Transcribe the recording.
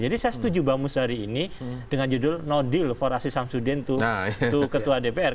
jadi saya setuju bamus hari ini dengan judul no deal for asis hamsuddin to ketua dpr